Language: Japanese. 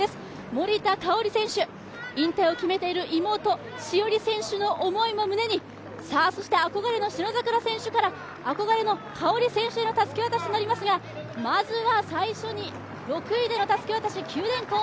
森田香織選手、引退を決めている妹詩織選手の思いも胸に、あこがれの信櫻選手から、あこがれの香織選手へのたすき渡しですがまずは最初に６位でのたすき渡し、九電工。